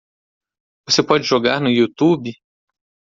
Você pode jogar no Youtube?